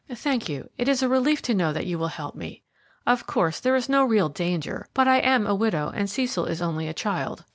"Thank you. It is a relief to know that you will help me. Of course, there is no real danger; but I am a widow, and Cecil is only a child.